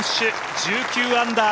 １９アンダー。